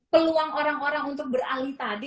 peluang orang orang untuk beralih tadi